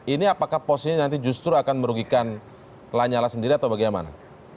ini apakah posisinya nanti justru akan merugikan lanyala sendiri atau bagaimana